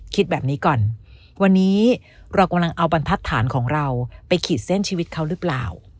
คิดแบบนี้ก่อนวันนี้เรากำลังเอาบรรทัศนของเราไปขีดเส้นชีวิตเขาหรือเปล่า